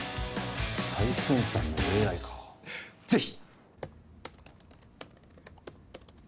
最先端のＡＩかぜひ！